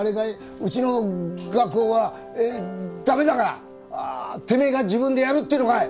うちの画工は駄目だからてめえが自分でやるっていうのかい！？